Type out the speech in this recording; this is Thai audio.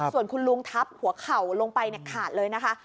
ส่วนคุณลุงทับหัวเข่าลงไปขาดเลยนะคะ